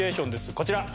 こちら。